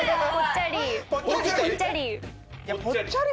「ぽっちゃり」